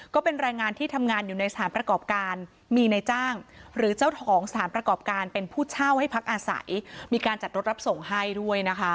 ก็เป็นแรงงานที่ทำงานอยู่ในสถานประกอบการมีในจ้างหรือเจ้าของสถานประกอบการเป็นผู้เช่าให้พักอาศัยมีการจัดรถรับส่งให้ด้วยนะคะ